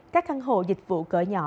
các căn hộ dịch vụ cỡ nhỏ